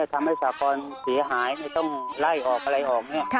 ทำให้สาของเสียหายต้องไล่ออกอะไรออกนี่